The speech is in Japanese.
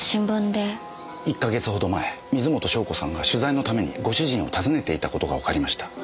１か月ほど前水元湘子さんが取材のためにご主人を訪ねていた事がわかりました。